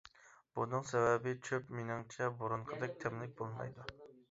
بۇنىڭ سەۋەبى چۆپ مېنىڭچە بۇرۇنقىدەك تەملىك بولمايدۇ.